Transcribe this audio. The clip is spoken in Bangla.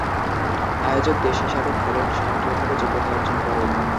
আয়োজক দেশ হিসাবে থাইল্যান্ড স্বয়ংক্রিয়ভাবে যোগ্যতা অর্জন করে।